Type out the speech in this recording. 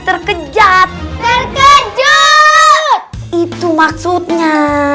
terkejat terkejut itu maksudnya